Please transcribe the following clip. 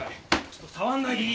ちょっと触らないで。